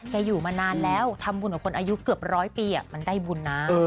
อยู่มานานแล้วทำบุญกับคนอายุเกือบร้อยปีมันได้บุญนะ